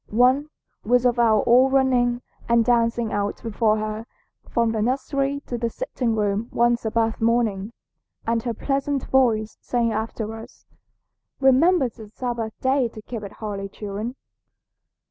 One was of our all running and dancing out before her from the nursery to the sitting room one Sabbath morning, and her pleasant voice saying after us, 'Remember the Sabbath day to keep it holy, children.'